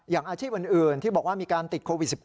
อย่างอาชีพอื่นที่บอกว่ามีการติดโควิด๑๙